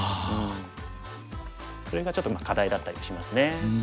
その辺がちょっと課題だったりしますね。